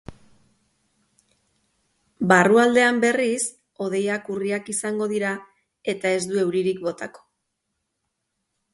Barrualdean, berriz, hodeiak urriak izango dira eta ez du euririk botako.